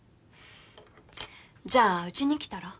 じゃあうちに来たら？